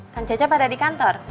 kang cecep ada di kantor